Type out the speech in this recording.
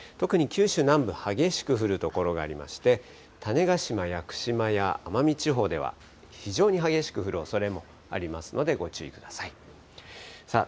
特に九州南部、激しく降る所がありまして、種子島、屋久島や奄美地方では、非常に激しく降るおそれもありますので、ご注意ください。